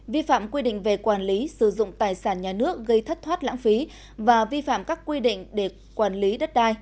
vi phạm quy định về quản lý sử dụng tài sản nhà nước gây thất thoát lãng phí và vi phạm các quy định để quản lý đất đai